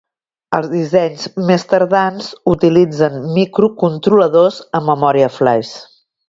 Els dissenys més tardans utilitzen microcontroladors amb memòria flaix.